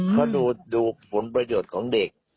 เพราะดูฝนประโยชน์ของเด็ก